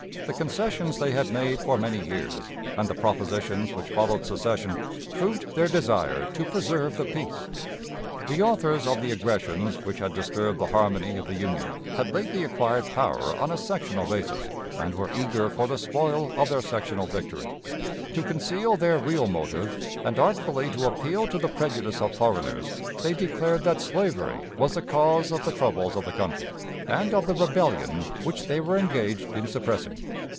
The concessions they had made for many years and the propositions which followed secession proved their desire to preserve the peace. The authors of the aggressions which had disturbed the harmony of the Union had lately acquired power on a sectional basis, and were eager for the spoil of their sectional victory. To conceal their real motive, and artfully to appeal to the prejudice of foreigners, they declared that slavery was the cause of the troubles of the country, and of the "rebellion" which they were engaged in suppressing.